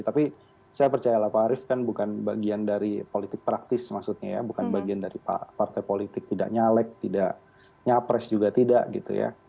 tapi saya percayalah pak arief kan bukan bagian dari politik praktis maksudnya ya bukan bagian dari partai politik tidak nyalek tidak nyapres juga tidak gitu ya